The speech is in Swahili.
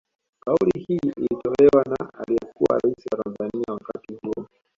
Kauli hii ilitolewa na aliyekuwa raisi wa Tanzania wakati huo